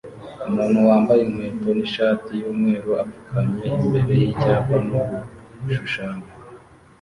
Umuntu wambaye inkweto nishati yumweru apfukamye imbere yicyapa no gushushanya